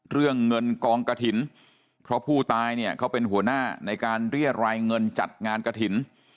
เรื่องเงินกองกระถิ่นเพราะผู้ตายเนี่ยเขาเป็นหัวหน้าในการเรียรายเงินจัดงานกระถิ่น